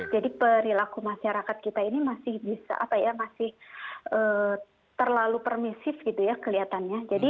jadi perilaku masyarakat kita ini masih terlalu permisif kelihatannya